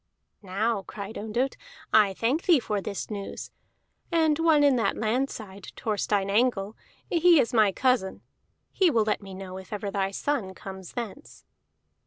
"Now," cried Ondott, "I thank thee for this news. And one in that land side, Thorstein Angle, he is my cousin; he will let me know if ever thy son comes thence."